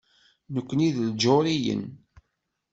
Nekkni d Ijuṛiyen.